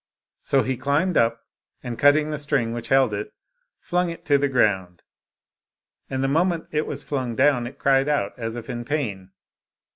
So he climbed up^ and cutting the string which held it^ flung it to the ground. And the moment it was flung down, it cried out, as if in pain.